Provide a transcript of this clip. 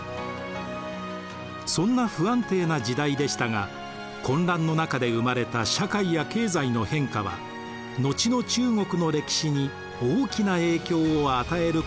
そんな不安定な時代でしたが混乱の中で生まれた社会や経済の変化は後の中国の歴史に大きな影響を与えることになるのです。